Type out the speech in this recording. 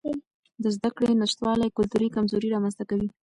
د زده کړې نشتوالی کلتوري کمزوري رامنځته کوي.